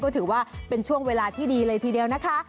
ก็ถือว่าเป็นช่วงเวลาที่ดีเลยทีเดียวนะคะ